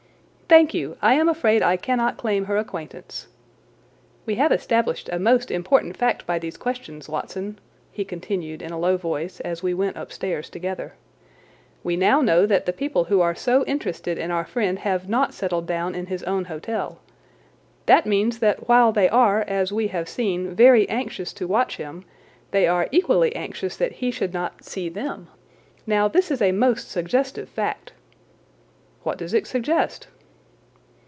"Thank you; I am afraid I cannot claim her acquaintance. We have established a most important fact by these questions, Watson," he continued in a low voice as we went upstairs together. "We know now that the people who are so interested in our friend have not settled down in his own hotel. That means that while they are, as we have seen, very anxious to watch him, they are equally anxious that he should not see them. Now, this is a most suggestive fact." "What does it suggest?"